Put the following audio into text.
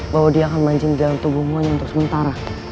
bahwa dia akan mancing dalam tubuhmu hanya untuk sementara